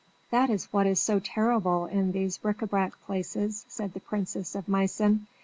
"That is what is so terrible in these bric à brac places," said the princess of Meissen.